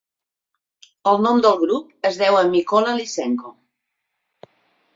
El nom del grup es deu a Mykola Lysenko.